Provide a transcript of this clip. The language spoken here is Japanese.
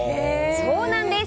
そうなんです。